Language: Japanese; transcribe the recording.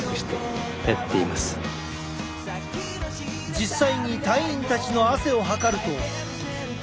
実際に隊員たちの汗を測ると。